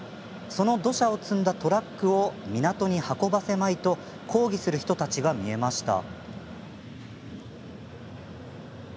その土砂を積んだトラックを港に運ばせまいと抗議する人たちが見えました。